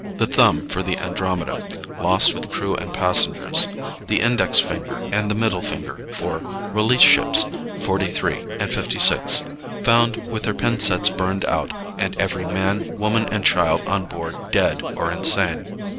The thumb for the Andromeda, lost with crew and passengers, the index finger and the middle finger for Release Ships 43 and 56, found with their pin sets burned out and every man, woman, and child on board dead or insane.